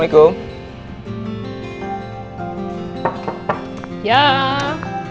kita urus sekarang